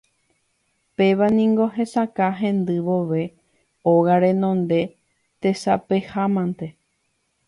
Péva niko hesakã hendy vove óga renonde tesapehámante.